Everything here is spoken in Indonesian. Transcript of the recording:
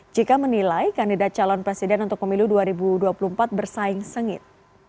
jika menilai kandidat calon presiden untuk pemilu dua ribu dua puluh empat bersaing sengit